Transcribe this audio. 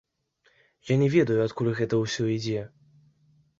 Я не ведаю, адкуль гэта ўсё ідзе.